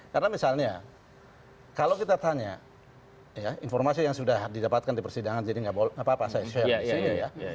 karena misalnya kalau kita tanya ya informasi yang sudah didapatkan di persidangan jadi nggak apa apa saya share di sini ya